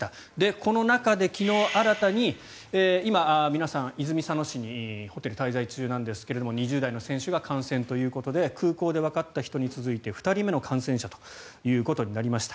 この中で昨日、新たに今、皆さんは泉佐野市のホテルに滞在中なんですが２０代の選手が感染ということで空港でわかった人に続いて２人目の感染者ということになりました。